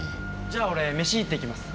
じゃあ俺飯行ってきます。